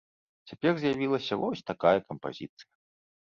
Цяпер з'явілася вось такая кампазіцыя.